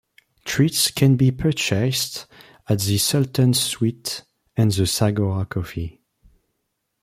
Treats can be purchased at the Sultan's Sweets and the Zagora Cafe.